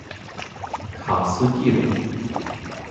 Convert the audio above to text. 卡斯蒂隆。